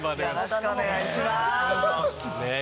よろしくお願いします。